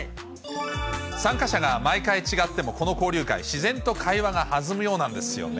参加者が毎回違っても、この交流会、自然と会話が弾むようなんですよね。